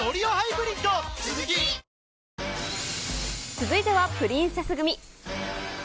続いてはプリンセス組。